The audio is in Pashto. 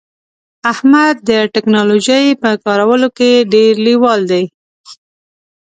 احمد د ټکنالوژی په کارولو کې ډیر لیوال دی